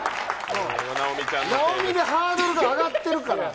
直美でハードルが上がってるからや。